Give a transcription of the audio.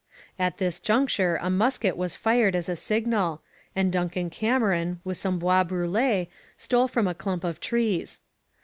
At this juncture a musket was fired as a signal, and Duncan Cameron with some Bois Brûlés stole from a clump of trees.